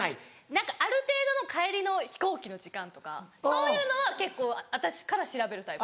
何かある程度の帰りの飛行機の時間とかそういうのは結構私から調べるタイプ。